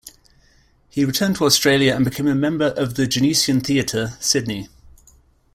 He returned to Australia and became a member of the Genesian Theatre, Sydney.